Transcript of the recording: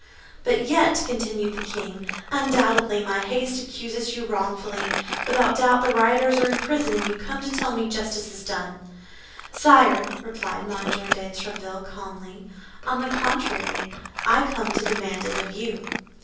But yet," continued the king, "undoubtedly my haste accuses you wrongfully; without doubt the rioters are in prison, and you come to tell me justice is done." "Sire," replied M. de Tréville, calmly, "on the contrary, I come to demand it of you."